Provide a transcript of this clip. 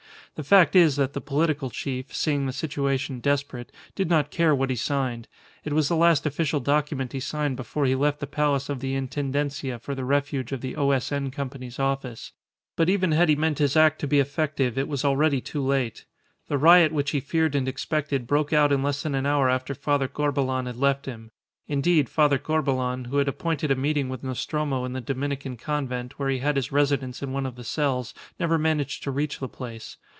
The fact is that the political chief, seeing the situation desperate, did not care what he signed. It was the last official document he signed before he left the palace of the Intendencia for the refuge of the O.S.N. Company's office. But even had he meant his act to be effective it was already too late. The riot which he feared and expected broke out in less than an hour after Father Corbelan had left him. Indeed, Father Corbelan, who had appointed a meeting with Nostromo in the Dominican Convent, where he had his residence in one of the cells, never managed to reach the place.